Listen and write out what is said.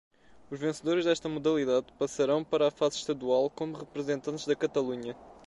Os vencedores desta modalidade passarão para a fase estadual como representantes da Catalunha.